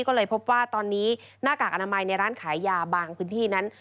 ก็เลยพบว่าตอนนี้หน้ากากอนามัยในร้านขายยาบางพื้นที่นั้น